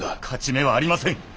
勝ち目はありません。